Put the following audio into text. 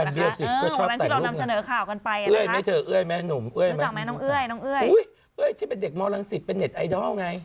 ต่างจากที่เรานำเสนอข่าวกันไปนะครับน้องเอ้ยน้องเอ้ยอุ๊ยที่เป็นเด็กมลังศิษฐ์เป็นเน็ตไอดอลไง